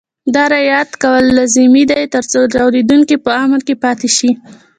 دا رعایت کول لازمي دي ترڅو تولیدوونکي په امن کې پاتې شي.